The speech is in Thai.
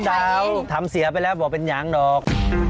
สาวทำเสียไปแล้วบอกเป็นยางดอก